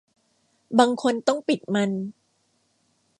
บางคนต้องปิดมัน